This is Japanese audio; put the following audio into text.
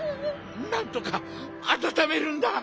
なんとかあたためるんだ！